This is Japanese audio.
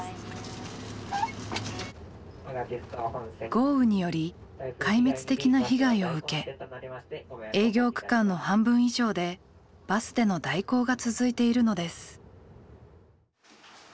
豪雨により壊滅的な被害を受け営業区間の半分以上でバスでの代行が続いているのです。